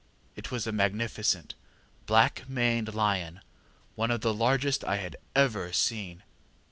It was a magnificent, black maned lion, one of the largest I had ever seen.